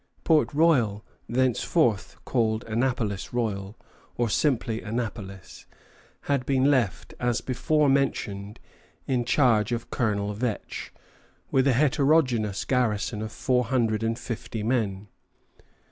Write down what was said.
Port Royal, thenceforth called Annapolis Royal, or simply Annapolis, had been left, as before mentioned, in charge of Colonel Vetch, with a heterogeneous garrison of four hundred and fifty men.